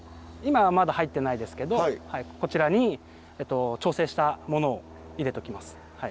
今はまだ入ってないですけどこちらに調整したものを入れときます。